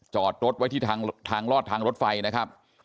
จอดรถไว้ที่ทางลอดทางรถไฟนะครับ